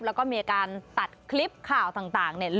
แล้วก็มีการตัดคลิปข่าวต่างเนี่ย